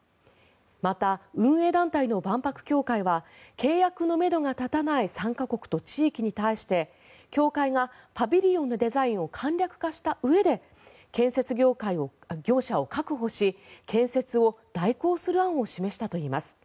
また、運営団体の万博協会は契約のめどが立たない参加国と地域に対して協会がパビリオンのデザインを簡略化したうえで建設業者を確保し建設を代行する案を示したといいます。